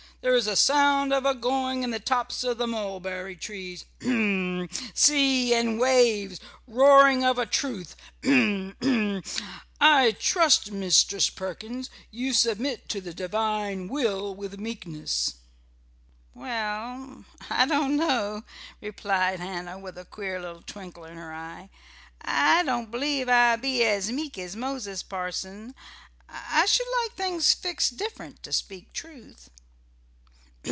There is a sound of a going in the tops of the mulberry trees h m! Sea and waves roaring of a truth h m! h m! I trust, Mistress Perkins, you submit to the Divine Will with meekness." "Well, I don't know," replied Hannah, with a queer little twinkle in her eye. "I don't believe I be as meek as Moses, parson. I should like things fixed different, to speak truth."